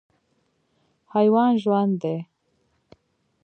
حیوان ژوند دی.